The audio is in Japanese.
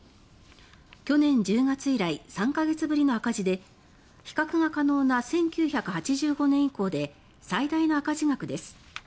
去年１０月以来３か月ぶりの赤字で比較が可能な１９８５年以降で最大の赤字額です。